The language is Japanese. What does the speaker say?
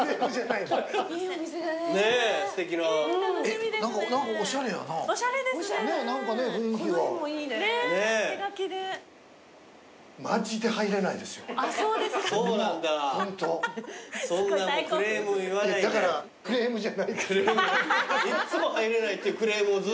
いっつも入れないっていうクレームをずっとすいません。